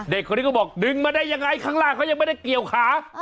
เด็กคนนี้ก็บอกดึงมาได้ยังไงข้างล่างเขายังไม่ได้เกี่ยวขา